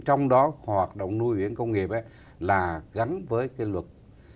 trong đó hoạt động nuôi biển công nghiệp là gắn với cái luật